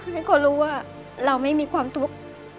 ให้เขารู้ว่าเราไม่มีความทุกข์